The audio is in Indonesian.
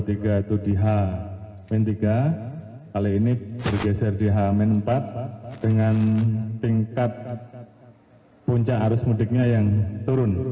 dua ribu dua puluh tiga itu dihapin tiga kali ini bergeser di haman empat dengan tingkat puncak arus mudiknya yang turun